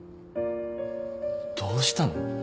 どうしたの？